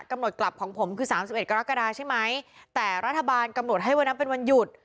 กำหนดกลับของผมคือสามสิบเอ็ดกรกฎาใช่ไหมแต่รัฐบาลกำหนดให้วันนั้นเป็นวันหยุด